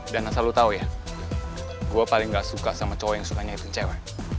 dan asal lo tau ya gue paling nggak suka sama cowok yang suka nyakitin cewe